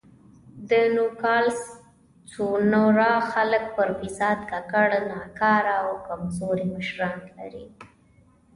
د نوګالس سونورا خلک پر فساد ککړ، ناکاره او کمزوري مشران لري.